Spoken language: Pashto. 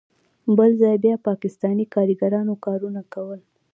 بل ځای بیا پاکستانی کاریګرانو کارونه کول.